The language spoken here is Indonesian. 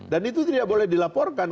dan itu tidak boleh dilaporkan